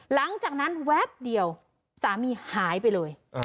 หลังจากนั้นแวบเดียวสามีหายไปเลย